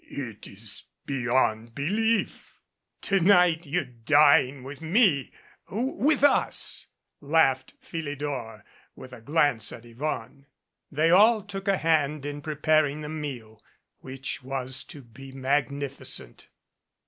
"It is beyond belief." 194 A PHILOSOPHER IN A QUANDARY "To night you dine with me with us," laughed Phili dor with a glance at Yvonne. They all took a hand in preparing the meal, which was to be magnificent.